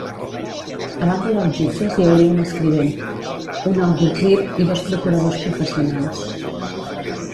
A banda dels jutges hi hauria un escrivent, un algutzir i dos procuradors professionals.